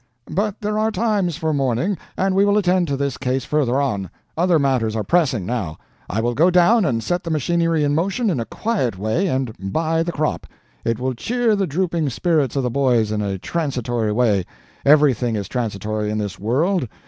But there are times for mourning, and we will attend to this case further on; other matters are pressing, now. I will go down and set the machinery in motion in a quiet way and buy the crop. It will cheer the drooping spirits of the boys, in a transitory way. Everything is transitory in this world.